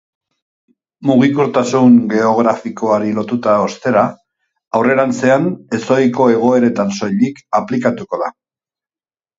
Mugikortasun geografikoari lotuta, ostera, aurrerantzean ezohiko egoeretan soilik aplikatuko da.